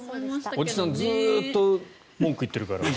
おじさんずっと文句言ってるから。